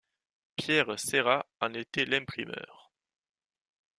Pierre Cérat en était l'imprimeur.